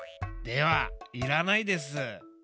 ではいらないです。